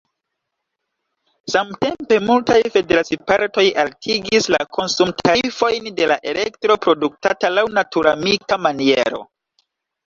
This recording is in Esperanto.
Samtempe multaj federacipartoj altigis la konsumtarifojn de la elektro produktata laŭ naturamika maniero.